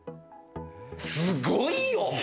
すごいよ！